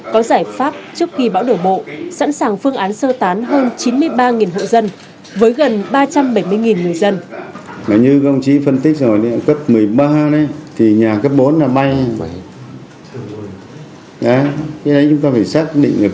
có giải pháp trước khi bão đổ bộ sẵn sàng phương án sơ tán hơn chín mươi ba hộ dân